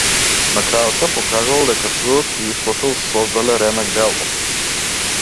На крајот се покажало дека трудот се исплател создале ремек дело!